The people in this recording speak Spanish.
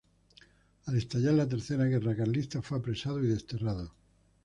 Al estallar la Tercera Guerra Carlista, fue apresado y desterrado.